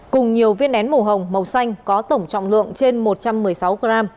cùng nhiều viên nén màu hồng màu xanh có tổng trọng lượng trên một trăm một mươi sáu gram